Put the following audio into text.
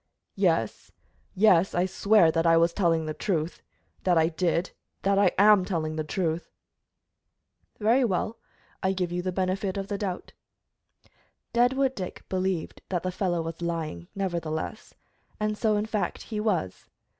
"Yes, yes, I swear that I was telling the truth that I did that I am telling the truth!" "Very well, I give you the benefit of the doubt." Deadwood Dick believed that the fellow was lying, nevertheless, and so, in fact, he was.